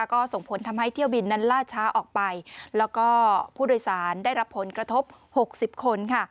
ก็ส่งผลทำให้เที่ยวบินนั้นล่าช้าออกไปแล้วก็ผู้โดยสารได้รับผลกระทบ๖๐คนค่ะ